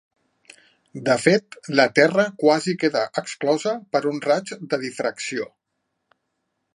De fet la terra quasi queda exclosa per un raig de difracció.